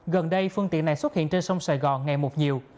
gần đây phương tiện này xuất hiện trên sông sài gòn ngày một nhiều